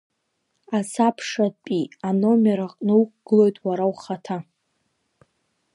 Асабшатәи аномер аҟны уқәгылоит уара ухаҭа.